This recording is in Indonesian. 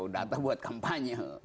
data buat kampanye